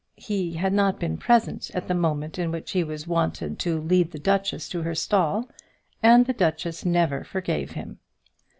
He had not been present at the moment in which he was wanted to lead the duchess to her stall, and the duchess never forgave him.